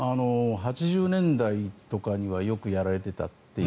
８０年代とかにはよくやられていたという。